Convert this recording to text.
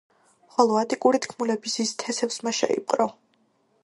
ხოლო ატიკური თქმულების ის თესევსმა შეიპყრო.